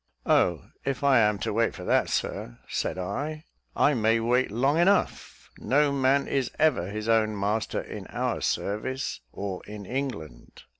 "Oh, if I am to wait for that, Sir," said I, "I may wait long enough; no man is ever his own master in our service, or in England.